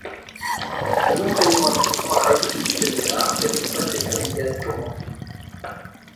Un autre élément expliquant la réussite du canular est son passé familial tourmenté.